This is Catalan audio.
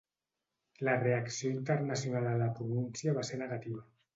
La reacció internacional a la pronúncia va ser negativa.